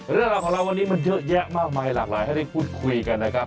เรื่องราคาวันนี้เยอะแยะมากมายหลากรายให้ทีคุณคุยกันนะครับ